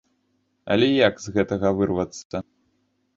Але як з гэтага вырвацца?